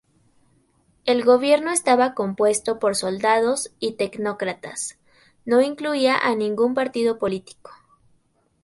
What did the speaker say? El gobierno estaba compuesto por soldados y tecnócratas, no incluía a ningún partido político.